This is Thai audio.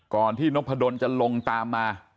ก่อนที่นพดนจะลงตามมา